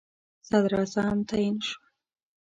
صدراعظم تعیین شول.